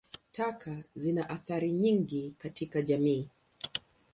Taka zina athari nyingi katika jamii.